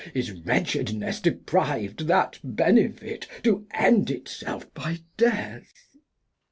Is Wretchedness depriv'd that Benefit To End it self by Death